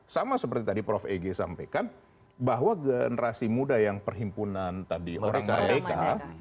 sama seperti tadi prof egy sampaikan bahwa generasi muda yang perhimpunan tadi orang merdeka